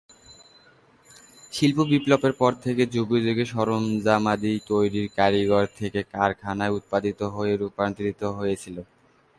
শিল্প বিপ্লবের পর থেকে যুগে যুগে সরঞ্জামাদি তৈরির কারিগর থেকে কারখানায় উৎপাদিত হয়ে রূপান্তরিত হয়েছিল।